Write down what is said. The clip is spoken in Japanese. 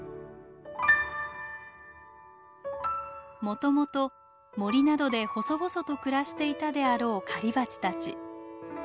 もともと森などで細々と暮らしていたであろう狩りバチたち。